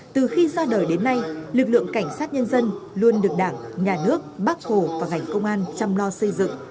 từ khi ra đời đến nay lực lượng cảnh sát nhân dân luôn được đảng nhà nước bác hồ và ngành công an chăm lo xây dựng